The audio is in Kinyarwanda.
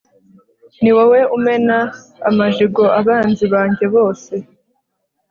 ni wowe umena amajigo abanzi banjye bose